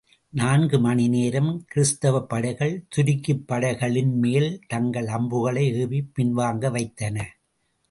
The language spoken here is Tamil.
நான்கு மணி நேரம், கிறிஸ்தவப்படைகள் துருக்கிப்படைகளின் மேல் தங்கள் அம்புகளை ஏவிப் பின்வாங்க வைத்தன.